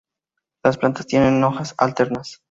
Las plantas tienen hojas alternas.